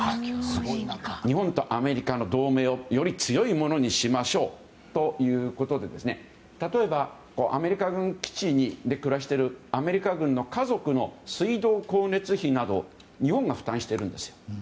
日本とアメリカの同盟をより強いものにしましょうということで例えば、アメリカ軍基地で暮らしているアメリカ軍の家族の水道光熱費などを日本が負担しているんですよ。